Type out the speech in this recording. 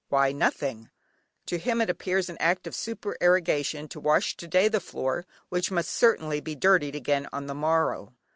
Why nothing." To him it appears an act of supererogation to wash to day the floor, which must certainly be dirtied again on the morrow.